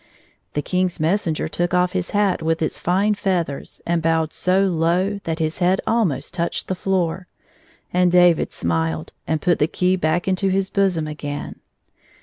The King's messenger took off his hat with its fine feathers, and bowed so low that his head almost touched the floor. And David smiled and put the key back into his bosom again.